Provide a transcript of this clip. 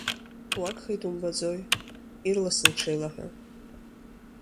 Уагхеит, умбаӡои, ирласны уҽеилаҳәа.